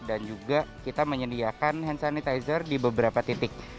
dan juga kita menyediakan hand sanitizer di beberapa titik